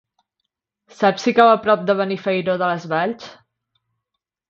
Saps si cau a prop de Benifairó de les Valls?